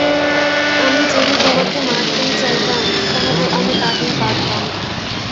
আমি যদি তোমাকে মারতেই চাইতাম, তাহলে অনেক আগেই পারতাম।